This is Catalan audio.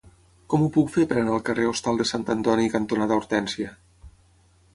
Com ho puc fer per anar al carrer Hostal de Sant Antoni cantonada Hortènsia?